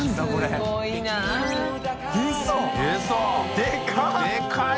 でかい！